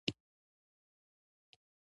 بامیان د افغانستان د صنعت لپاره مواد برابروي.